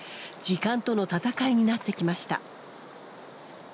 時間との闘いになってきました。